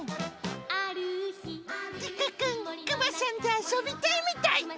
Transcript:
りくくん、クマさんと遊びたいみたい。